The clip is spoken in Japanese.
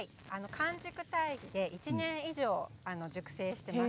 完熟堆肥で１年以上熟成しています。